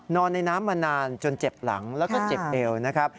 ในน้ำมานานจนเจ็บหลังแล้วก็เจ็บเอวนะครับ